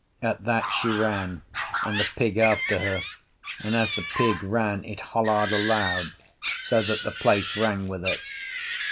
At that she ran, and the pig after her, and as the pig ran it holla'd aloud, so that the place rang with it.